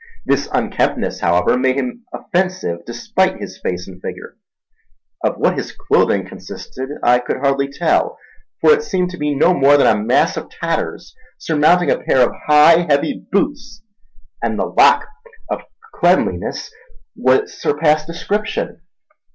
This unkemptness, however, made him offensive despite his face and figure. Of what his clothing consisted I could hardly tell, for it seemed to me no more than a mass of tatters surmounting a pair of high, heavy boots; and his lack of cleanliness surpassed description.